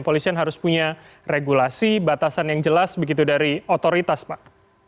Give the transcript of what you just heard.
polisian harus punya regulasi batasan yang jelas begitu dari otoritas pak